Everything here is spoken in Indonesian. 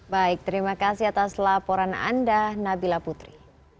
baik terima kasih atas laporan anda nabila putri